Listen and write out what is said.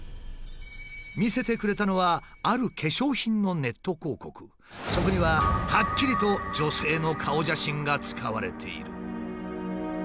見せてくれたのはあるそこにははっきりと女性の顔写真が使われている。